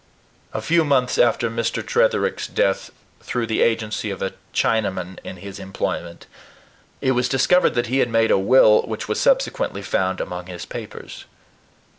A few months after Mr. Tretherick's death, through the agency of a Chinaman in his employment, it was discovered that he had made a will, which was subsequently found among his papers.